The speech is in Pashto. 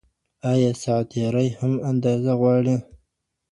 آیا ساعت تیري هم اندازه غواړي؟